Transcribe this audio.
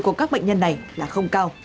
của các bệnh nhân này là không cao